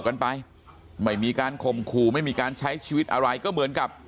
กันไปไม่มีการข่มขู่ไม่มีการใช้ชีวิตอะไรก็เหมือนกับ